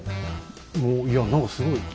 もういや何かすごい。